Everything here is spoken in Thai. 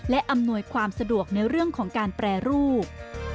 และอำนวยความสะดวกในเรื่องของการแปรรูป